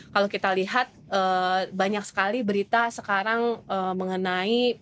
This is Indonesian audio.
kalau kita lihat banyak sekali berita sekarang mengenai